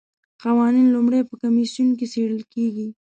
قوانین لومړی په کمیسیون کې څیړل کیږي.